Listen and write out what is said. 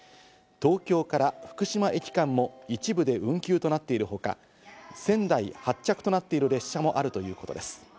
東京から福島駅間も一部で運休となっているほか、仙台発着となっている列車もあるということです。